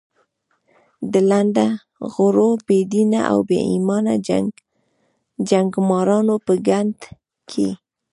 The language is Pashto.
د لنډه غرو، بې دینه او بې ایمانه جنګمارانو په ګند کې.